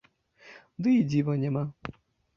Ды і дзіва няма!